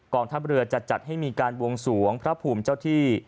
ทัพเรือจะจัดให้มีการวงสวงพระภูมิเจ้าที่